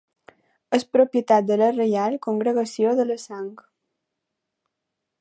És propietat de la Reial Congregació de la Sang.